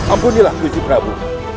ampunilah gusti prabu